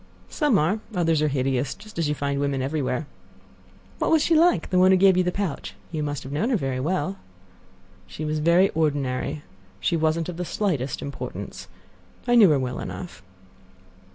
"Some are; others are hideous, just as you find women everywhere." "What was she like—the one who gave you the pouch? You must have known her very well." "She was very ordinary. She wasn't of the slightest importance. I knew her well enough."